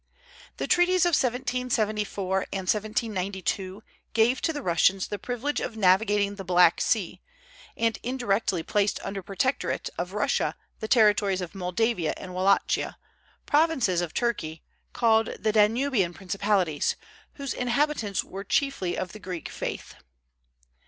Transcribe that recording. The treaties of 1774 and 1792 gave to the Russians the privilege of navigating the Black Sea, and indirectly placed under the protectorate of Russia the territories of Moldavia and Wallachia, provinces of Turkey, called the Danubian principalities, whose inhabitants were chiefly of the Greek faith.